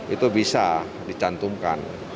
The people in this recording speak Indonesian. itu bisa dicantumkan